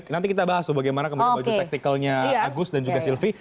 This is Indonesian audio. nanti kita bahas tuh bagaimana kemarin baju tactical nya agus dan juga sylvie